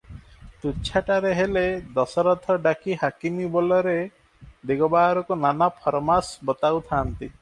ତୁଚ୍ଛାଟାରେ ହେଲେ ଦଶରଥ ଡାକି ହାକିମି ବୋଲରେ ଦିଗବାରକୁ ନାନା ଫରମାସ ବତାଉ ଥାଆନ୍ତି;